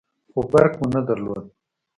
خو برق مو نه درلود.